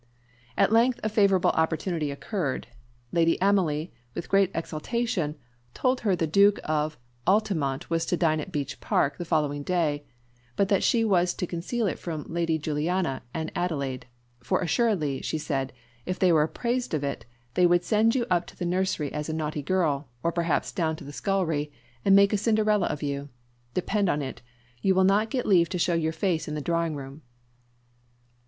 At length a favourable opportunity occurred. Lady Emily, with great exultation, told her the Duke of Altamont was to dine at Beech Park the following day, but that she was to conceal it from Lady Juliana and Adelaide; "for assuredly," said she, "if they were apprised of it, they would send you up to the nursery as a naughty girl, or perhaps down to the scullery, and make a Cinderella of you. Depend upon it you would not get leave to show your face in the drawing room."